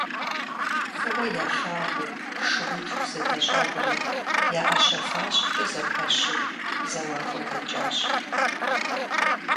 ФӀыуэ ялъагъуу шууитху зэдэщӀагъури я Ӏэщэ фащэкӀэ зэпэщу зэуакӀуэ дэкӀащ.